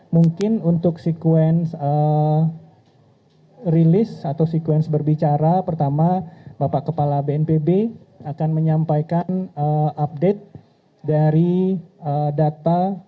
mungkin untuk sekuens rilis atau sekuens berbicara pertama bapak kepala bnpb akan menyampaikan update dari data